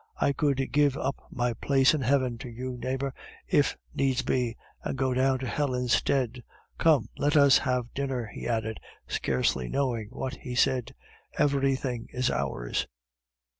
I could give up my place in heaven to you, neighbor, if needs be, and go down to hell instead. Come, let us have dinner," he added, scarcely knowing what he said, "everything is ours."